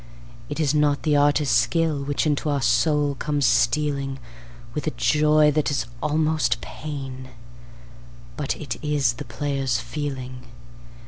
It is not the artist's skill which into our soul comes stealing With a joy that is almost pain, but it is the player's feeling.